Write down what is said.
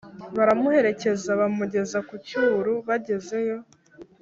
baramuherekeza bamugeza ku Cyuru. Bagezeyo